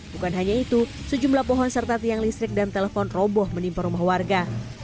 bukan hanya itu sejumlah pohon serta tiang listrik dan telepon roboh menimpa rumah warga